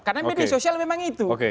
karena media sosial memang itu